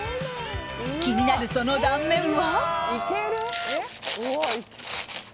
気になるその断面は。